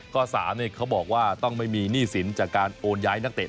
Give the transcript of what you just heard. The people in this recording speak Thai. ๓เขาบอกว่าต้องไม่มีหนี้สินจากการโอนย้ายนักเตะ